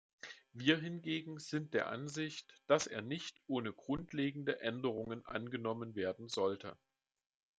Wir hingegen sind der Ansicht, dass er nicht ohne grundlegende Änderungen angenommen werden sollte.